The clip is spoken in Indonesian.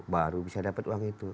baru bisa dapat uang itu